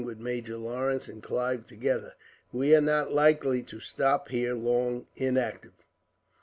With Major Lawrence and Clive together, we are not likely to stop here long, inactive."